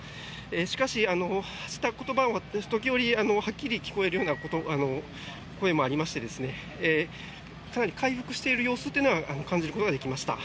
しかし、発した言葉は時折はっきり聞こえるような声もありましてかなり回復している様子は感じることができました。